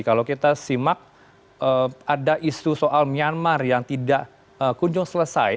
kalau kita simak ada isu soal myanmar yang tidak kunjung selesai